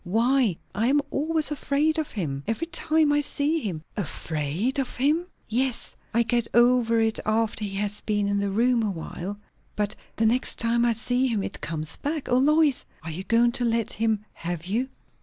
Why, I am always afraid of him, every time I see him." "Afraid of him?" "Yes. I get over it after he has been in the room a while; but the next time I see him it comes back. O Lois! are you going to let him have you?"